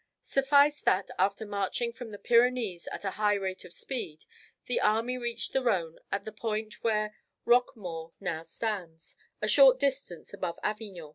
Suffice that, after marching from the Pyrenees at a high rate of speed, the army reached the Rhone at the point where Roquemaure now stands, a short distance above Avignon.